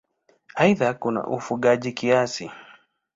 Aidha kuna ufugaji kiasi.